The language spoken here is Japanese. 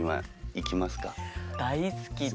大好きで。